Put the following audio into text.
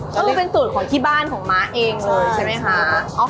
ก็เลยเป็นสูตรของที่บ้านของม้าเองเลยใช่ไหมคะ